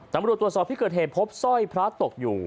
ตำรวจตรวจสอบพิเกิดเห็นพบซ่อยพระตกอยู่